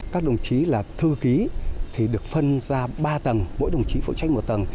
các đồng chí là thư ký được phân ra ba tầng mỗi đồng chí phụ trách một tầng